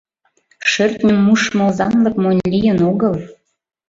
Шӧртньым мушмо озанлык монь лийын огыл.